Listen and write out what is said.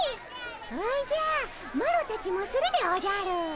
おじゃマロたちもするでおじゃる。